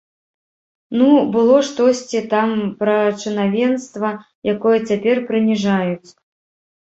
Ну, было штосьці там пра чынавенства, якое цяпер прыніжаюць.